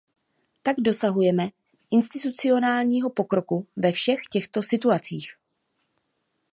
Tak dosahujeme institucionálního pokroku ve všech těchto situacích.